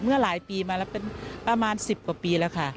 เมื่อหลายปีมาแล้วเป็นประมาณ๑๐กว่าปีแล้วค่ะ